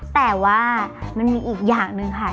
แต่ว่ามันมีอีกอย่างหนึ่งค่ะ